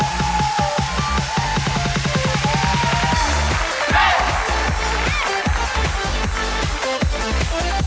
สวัสดีครับ